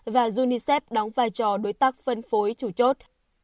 và unicef đóng vai trò đối tác phân phối chủ chốt